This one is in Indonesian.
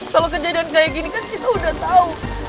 kalau kejadian kayak gini kan kita udah tahu